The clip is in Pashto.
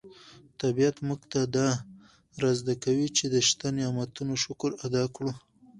طبیعت موږ ته دا ور زده کوي چې د شته نعمتونو شکر ادا کړو.